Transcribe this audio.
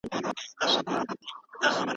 د انټرنیټ له لارې د زده کړې پروسه پیاوړې کیږي.